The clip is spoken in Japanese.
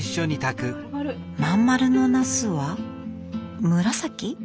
真ん丸のなすは紫？